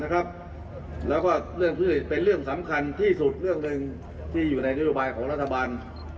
เรื่องหนึ่งที่อยู่ในโดยบายของรัฐบาล